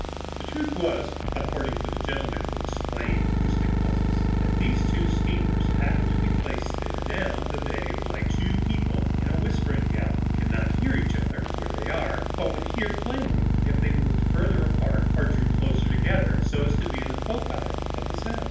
The truth was, according to the gentlemen who explain acoustic puzzles, that these two steamers happened to be placed there down the bay like two people in a whispering gallery, who cannot hear each other where they are, but would hear plainly if they moved further apart or drew closer together, so as to be in the foci of sound.